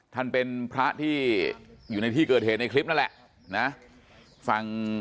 ท่านเป็นพระที่อยู่ในที่เกิดเหตุในคลิปนั่นแหละนะฟัง